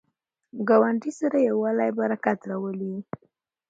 ګاونډي سره یووالی، برکت راولي